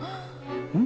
うん？